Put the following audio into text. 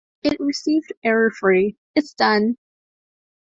If received error free, it's done.